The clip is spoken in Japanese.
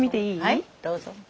はいどうぞ。